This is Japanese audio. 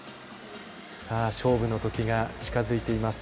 勝負の時が近づいています。